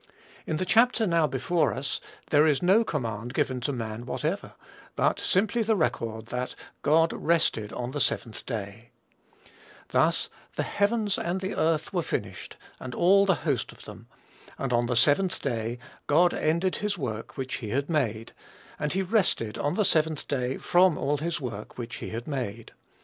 In the chapter now before us, there is no command given to man whatever; but simply the record that, "God rested on the seventh day." "Thus the heavens and the earth were finished, and all the host of them. And on the seventh day God ended his work which he had made; and he rested on the seventh day from all his work which he had made.